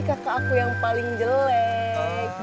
kakak aku yang paling jelek